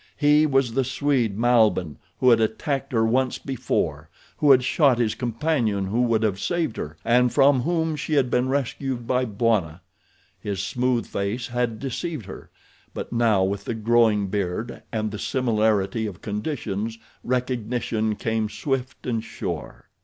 He was the Swede Malbihn who had attacked her once before, who had shot his companion who would have saved her, and from whom she had been rescued by Bwana. His smooth face had deceived her; but now with the growing beard and the similarity of conditions recognition came swift and sure.